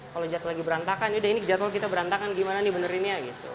kalau jatuh lagi berantakan udah ini jatuh kita berantakan gimana nih benerinnya